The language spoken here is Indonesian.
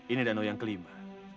ini dendam yang kelima